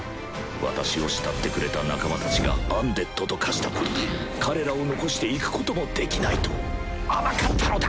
私を慕ってくれた仲間たちがアンデッドと化したことで彼らを残して逝くこともできないと甘かったのだ！